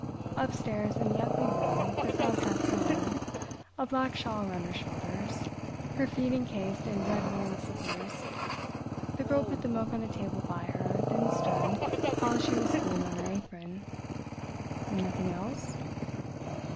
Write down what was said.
Upstairs in the ugly room the Frau sat sewing, a black shawl round her shoulders, her feet encased in red woollen slippers. The girl put the milk on a table by her, then stood, polishing a spoon on her apron. "Nothing else?"